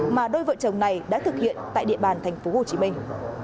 mà đôi vợ chồng này đã thực hiện tại địa bàn thành phố hồ chí minh